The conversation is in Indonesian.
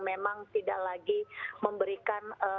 memang tidak lagi memberikan